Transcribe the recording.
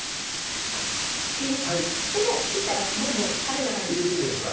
もう切ったらボンボンたれの中に入れていいですか？